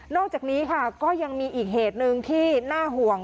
อกจากนี้ค่ะก็ยังมีอีกเหตุหนึ่งที่น่าห่วง